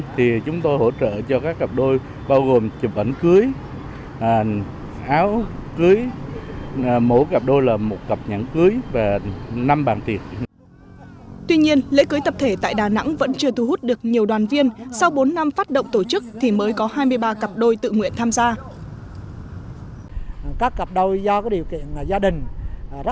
tuy nhiên lễ cưới tập thể tại đà nẵng vẫn chưa thu hút được nhiều đoàn viên sau bốn năm phát động tổ chức thì mới có hai mươi ba cặp đôi tự nguyện tham gia